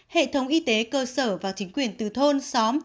hệ thống y tế cơ sở và chính quyền từ thôn xóm